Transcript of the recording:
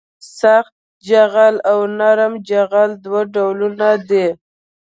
سخت جغل او نرم جغل دوه ډولونه دي